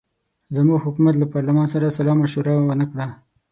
زموږ حکومت له پارلمان سره سلامشوره ونه کړه.